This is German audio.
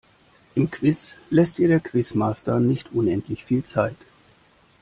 Im Quiz lässt dir der Quizmaster nicht unendlich viel Zeit.